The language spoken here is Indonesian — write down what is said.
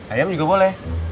ayam juga boleh